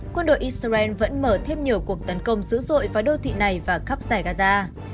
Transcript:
quân đội israel vẫn mở thêm nhiều cuộc tấn công dữ dội vào đô thị này và khắp giải gaza